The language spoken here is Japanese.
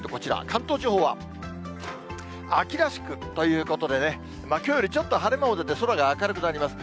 関東地方は秋らしくということでね、きょうよりちょっと晴れ間も出て、空が明るくなります。